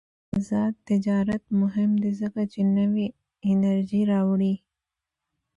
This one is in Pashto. آزاد تجارت مهم دی ځکه چې نوې انرژي راوړي.